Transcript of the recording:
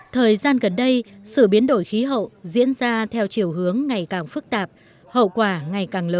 thời gian gần đây sự biến đổi khí hậu diễn ra theo chiều hướng ngày càng phức tạp hậu quả ngày càng lớn